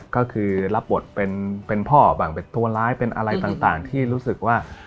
ก็คือรับบทเป็นพ่อบ้างเป็นตัวร้ายเป็นอะไรต่างที่รู้สึกว่า